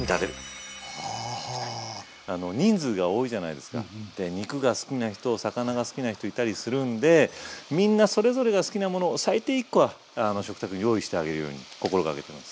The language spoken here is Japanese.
で肉が好きな人魚が好きな人いたりするんでみんなそれぞれが好きなものを最低１個は食卓に用意してあげるように心がけてます。